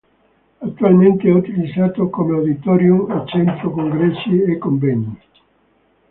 Attualmente è utilizzato come Auditorium e centro congressi e convegni.